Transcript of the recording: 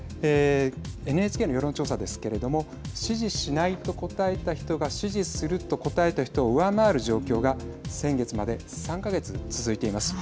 ＮＨＫの世論調査ですけれども支持しないと答えた人が支持すると答えた人を上回る状況が先月まで３か月続いています。